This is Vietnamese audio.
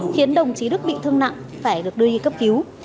khiến đồng chí đức bị thương nặng phải được đưa đi cấp cứu